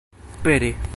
pere